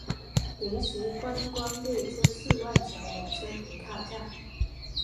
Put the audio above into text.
临时观光列车四万小火车停靠站。